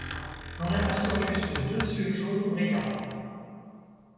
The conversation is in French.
L'on aperçoit juste deux yeux jaunes brillants.